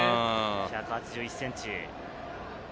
１８１ｃｍ。